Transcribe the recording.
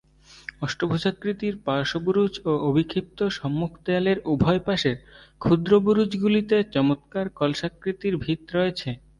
অষ্টভুজাকৃতির পার্শ্ববুরুজ ও অভিক্ষিপ্ত সম্মুখ দেয়ালের উভয়পাশের ক্ষুদ্রবুরুজগুলিতে চমৎকার কলসাকৃতির ভিত রয়েছে।